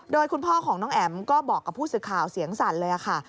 โดยคุณพ่อของน้องแอ๋มก็บอกกับผู้สื่อข่าวเสียงสั่นเลยค่ะ